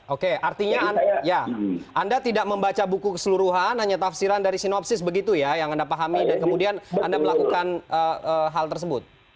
oke artinya anda tidak membaca buku keseluruhan hanya tafsiran dari sinopsis begitu ya yang anda pahami dan kemudian anda melakukan hal tersebut